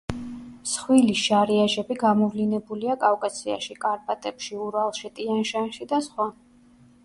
მსხვილი შარიაჟები გამოვლინებულია კავკასიაში, კარპატებში, ურალში, ტიან-შანში და სხვა.